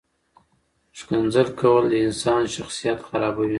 ښکنځل کول د انسان شخصیت خرابوي.